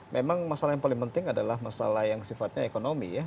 memang masalah yang paling penting adalah masalah yang sifatnya ekonomi ya